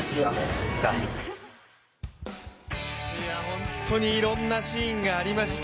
本当にいろんなシーンがありました。